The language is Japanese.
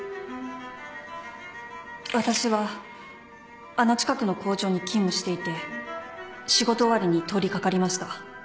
私はあの近くの工場に勤務していて仕事終わりに通り掛かりました。